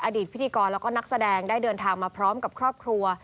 พิธีกรแล้วก็นักแสดงได้เดินทางมาพร้อมกับครอบครัว